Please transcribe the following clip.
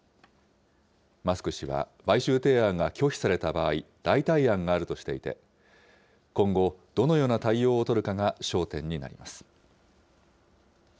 マスク氏は買収提案が拒否された場合、代替案があるとしていて、今後、どのような対応を取るかが焦点になります。